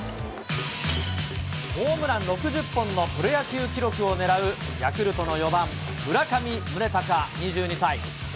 ホームラン６０本のプロ野球記録を狙う、ヤクルトの４番村上宗隆２２歳。